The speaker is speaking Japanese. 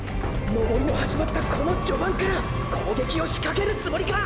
登りの始まったこの序盤から攻撃をしかけるつもりか！！